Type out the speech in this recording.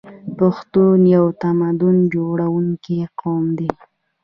پښتون یو تمدن جوړونکی قوم دی.